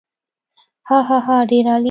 هاهاها ډېر عالي.